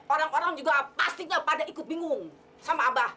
orang orang juga pastinya pada ikut bingung sama abah